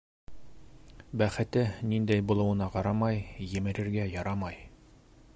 Бәхетте, ниндәй булыуына ҡарамай, емерергә ярамай.